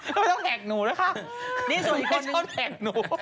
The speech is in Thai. นี่ไม่ต้องแหกหนูนะคะนี่ส่วนนี้แชนแหกหนู